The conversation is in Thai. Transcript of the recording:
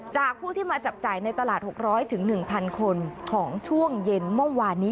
ผู้ที่มาจับจ่ายในตลาด๖๐๐๑๐๐คนของช่วงเย็นเมื่อวานนี้